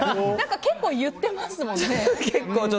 結構言ってますもんね。